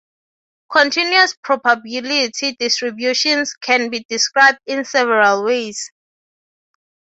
Continuous probability distributions can be described in several ways.